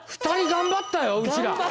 ２人頑張ったようちら。